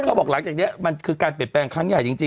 เขาบอกหลังจากนี้มันคือการเปลี่ยนแปลงครั้งใหญ่จริง